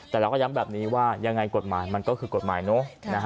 แต่เราก็ย้ำแบบนี้ว่ายังไงกฎหมายมันก็คือกฎหมายเนอะ